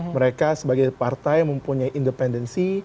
mereka sebagai partai mempunyai independensi